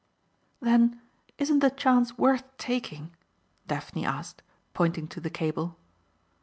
"Then isn't the chance worth taking?" Daphne asked, pointing to the cable.